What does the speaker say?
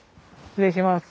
失礼します。